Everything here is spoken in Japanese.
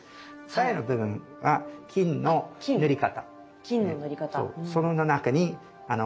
鞘の部分は金の塗り方。